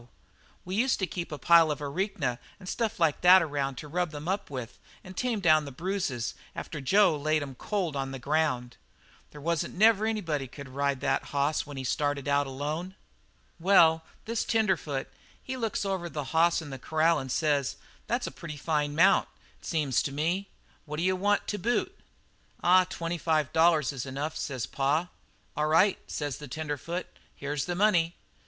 We used to keep a pile of arnica and stuff like that around to rub them up with and tame down the bruises after Jo laid 'em cold on the ground. There wasn't never anybody could ride that hoss when he was started out alone. "Well, this tenderfoot, he looks over the hoss in the corral and says: 'That's a pretty fine mount, it seems to me. What do you want to boot?' "'Aw, twenty five dollars is enough,' says pa. "'All right,' says the tenderfoot, 'here's the money.'